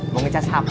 mau ngecas hp